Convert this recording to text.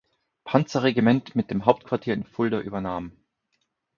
Panzerregiment mit dem Hauptquartier in Fulda übernahm.